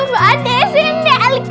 wah ada botolnya